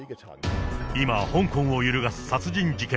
今、香港を揺るがす殺人事件。